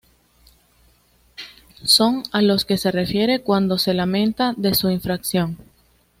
Son a los que se refiere cuando se lamenta de su infracción